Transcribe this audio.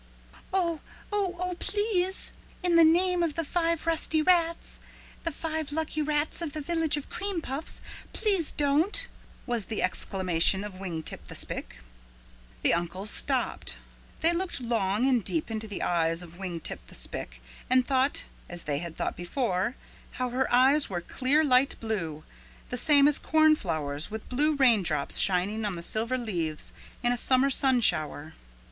"Oh, oh, oh, please in the name of the five rusty rats, the five lucky rats of the Village of Cream Puffs, please don't," was the exclamation of Wing Tip the Spick. The uncles stopped. They looked long and deep into the eyes of Wing Tip the Spick and thought, as they had thought before, how her eyes were clear light blue the same as cornflowers with blue raindrops shining on the silver leaves in a summer sun shower.